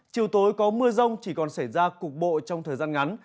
chiều tối có mưa rông chỉ còn xảy ra cục bộ trong thời gian ngắn